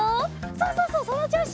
そうそうそうそのちょうし！